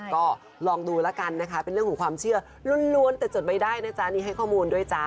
ก็ลองดูแล้วกันนะคะเป็นเรื่องของความเชื่อล้วนแต่จดไม่ได้นะจ๊ะนี่ให้ข้อมูลด้วยจ๊ะ